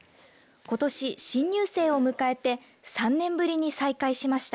ことし新入生を迎えて３年ぶりに再開しました。